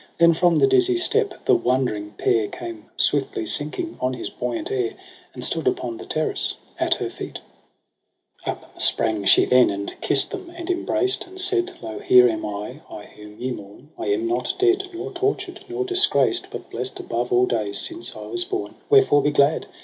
Then from the dizzy steep the wondering pair Came swiftly sinking on his buoyant air. And stood upon the terrace at her feet. JUNE iij 6 Upsprang she then, and kiss'd them and embraced. And said ' Lo, here am I, I whom ye mourn. I am not dead, nor tortured, nor disgraced. But blest above all days since I was born : Wherefore be glad.